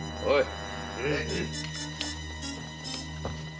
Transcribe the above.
はい。